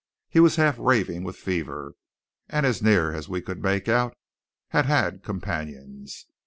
He was half raving with fever, and as near as we could make out had had companions.